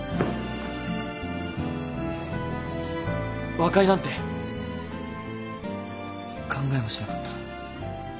和解なんて考えもしなかった。